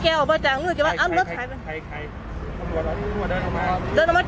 แยก็ไปจับของในรถจับไปวางมา